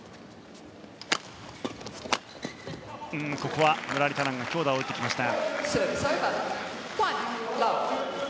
ここはムラリタランが強打を打ってきました。